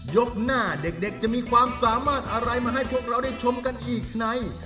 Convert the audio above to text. ยกหน้าเด็กจะมีความสามารถอะไรมาให้พวกเราได้ชมกันอีกใน